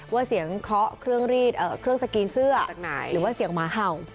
ว่าเสียงเครื่องสกรีนเสื้อหรือว่าเสียงมาเห่า